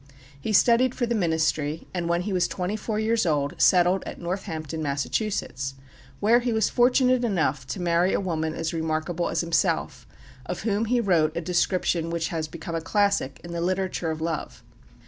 He studied for the ministry, and when he was twenty four years old settled at Northampton, Massachusetts, where he was fortunate enough to marry a woman as remarkable as himself, of whom he wrote a description which has become a classic in the literature of love.